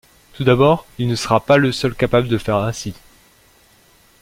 Tout d’abord, il ne sera pas le seul capable de faire ainsi.